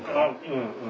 うんうん。